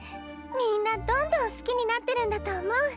みんなどんどん好きになってるんだと思う。